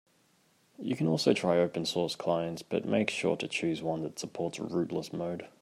You can also try open source clients, but make sure to choose one that supports rootless mode.